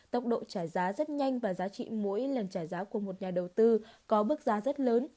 tốc độ trả giá rất nhanh và giá trị mỗi lần trả giá của một nhà đầu tư có mức giá rất lớn